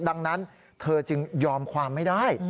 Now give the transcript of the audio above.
ดังนั้นเธอจึงยอมความไม่ได้